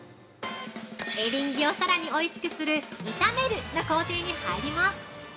◆エリンギをさらにおいしくする「炒める」の工程に入ります。